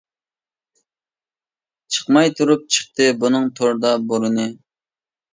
چىقماي تۇرۇپ چىقتى بۇنىڭ توردا بورىنى.